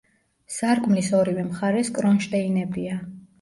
სარკმლის ორივე მხარეს კრონშტეინებია.